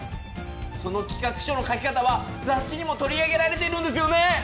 その企画書の書き方は雑誌にも取り上げられているんですよね？